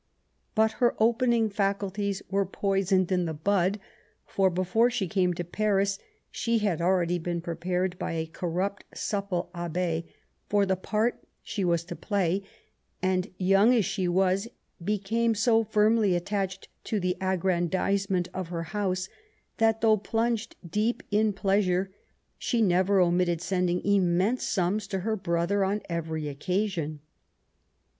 But her opening faculties were poisoned in the bud; for before she came to Paris she had already been prepared, by a corrupt, supple abb^, for the part she was to play ; and, young as she was, became so firmly attached to the aggrandizement of her house, that, though plunged deep in pleasure, she never omitted sending inmiense sums to her brother on every occasion.